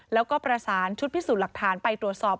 แล้วก็ประสานชุดพิสูจน์หลักฐานไปตรวจสอบ